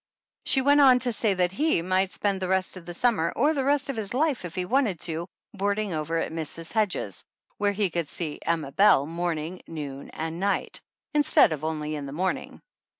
She went on to say that he might spend the rest of the summer, or the rest of his life if he wanted to, boarding over at Mrs. Hedges' where he could see Emma Belle morning, noon and night, instead of only in the morning.